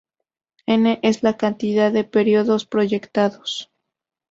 N es la cantidad de períodos proyectados.